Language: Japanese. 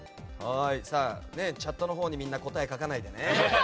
チャットのほうにみんな、答え書かないでね。